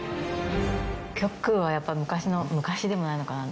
極右はやっぱり昔の昔でもないのかな。